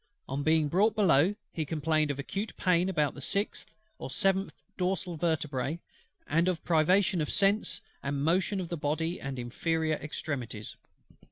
On being brought below, he complained of acute pain about the sixth or seventh dorsal vertebra, and of privation of sense and motion of the body and inferior extremities.